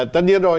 tất nhiên rồi